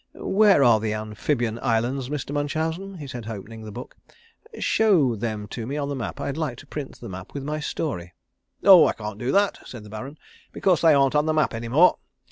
"Where are the Amphibian Islands, Mr. Munchausen?" he said, opening the book. "Show them to me on the map. I'd like to print the map with my story." "Oh, I can't do that," said the Baron, "because they aren't on the map any more.